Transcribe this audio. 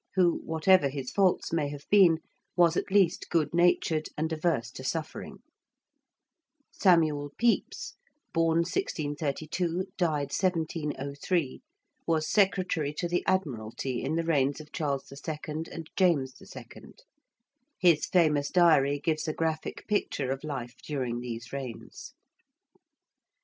who, whatever his faults may have been, was at least good natured and averse to suffering. ~Samuel Pepys~ (born 1632, died 1703) was Secretary to the Admiralty in the reigns of Charles II. and James II. His famous diary gives a graphic picture of life during these reigns.